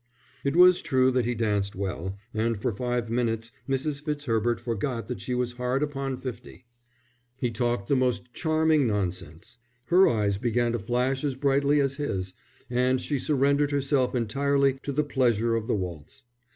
It was true that he danced well, and for five minutes Mrs. Fitzherbert forgot that she was hard upon fifty. He talked the most charming nonsense. Her eyes began to flash as brightly as his, and she surrendered herself entirely to the pleasure of the waltz.